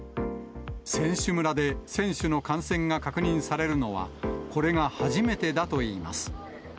選手村で選手の感染が確認されるのは、これが初めてだといいます。